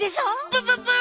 プププ！